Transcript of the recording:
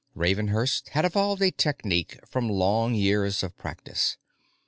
Ravenhurst had evolved a technique from long years of practice.